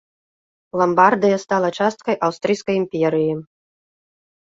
Ламбардыя стала часткай аўстрыйскай імперыі.